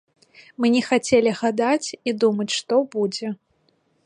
Мы не хацелі гадаць і думаць, што будзе.